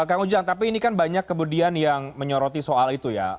kang ujang tapi ini kan banyak kemudian yang menyoroti soal itu ya